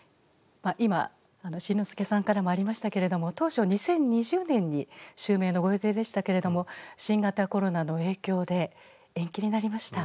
今新之助さんからもありましたけれども当初２０２０年に襲名のご予定でしたけれども新型コロナの影響で延期になりました。